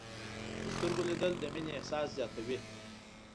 په سترګو لیدل د مینې احساس زیاتوي